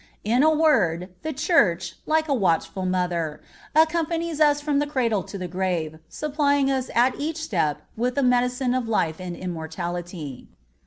In a word, the Church, like a watchful mother, accompanies us from the cradle to the grave, supplying us at each step with the medicine of life and immortality.